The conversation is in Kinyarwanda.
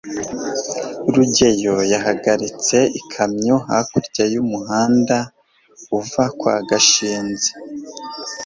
rugeyo yahagaritse ikamyo hakurya y'umuhanda uva kwa gashinzi